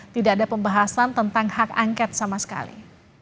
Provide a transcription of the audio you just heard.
tidak ada pembahasan tentang hak angket sama sekali